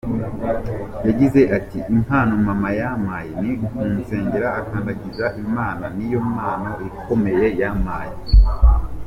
Yagize ati “Impano mama yampaye ni ukunsengera akandagiza Imana, niyo mpano ikomeye yampembye.